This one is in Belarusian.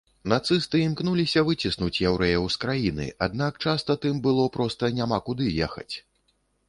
Нацысты імкнуліся выціснуць яўрэяў з краіны, аднак часта тым было проста няма куды ехаць.